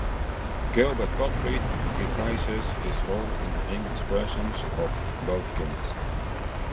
Gilbert Gottfried reprises his role in the English versions of both games.